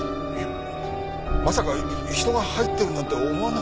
まさか人が入ってるなんて思わなかったですし。